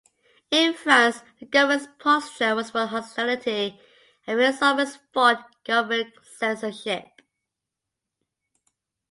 In France, the government's posture was one of hostility and philosophers fought government censorship.